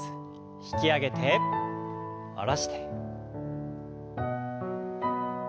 引き上げて下ろして。